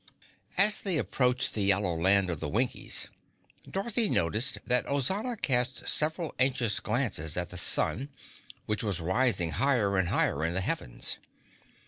As they approached the yellow Land of the Winkies, Dorothy noticed that Ozana cast several anxious glances at the sun which was rising higher and higher in the heavens.